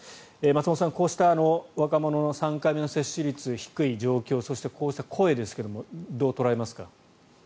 松本さん、こうした若者の３回目接種率が低いそして、こうした声ですがどう捉えますか？